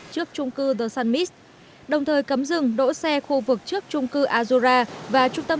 trước trung cư the sun mis đồng thời cấm dừng đỗ xe khu vực trước trung cư azura và trung tâm